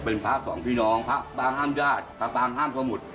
เป็นพระสองพี่น้องพระบางห้ามญาติสตางห้ามสมุทร